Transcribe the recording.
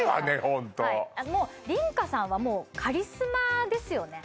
ホント梨花さんはもうカリスマですよね